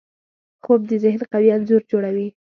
خوب د ذهن قوي انځور جوړوي